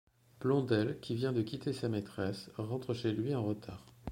Blondel, qui vient de quitter sa maîtresse, rentre chez lui en retard.